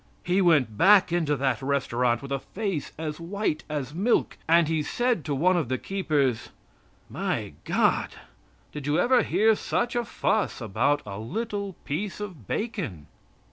He went back into that restaurant with a face as white as milk, and he said to one of the keepers: "My God, did you ever hear such a fuss about a little piece of bacon?"